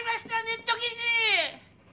ネット記事！